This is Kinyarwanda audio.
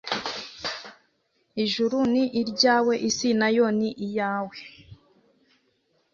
ijuru ni iryawe, isi na yo ni iyawe